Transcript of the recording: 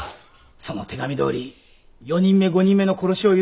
その手紙どおり４人目５人目の殺しを許しちゃ